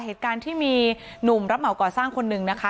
เหตุการณ์ที่มีหนุ่มรับเหมาก่อสร้างคนหนึ่งนะคะ